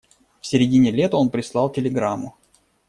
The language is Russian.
В середине лета он прислал телеграмму.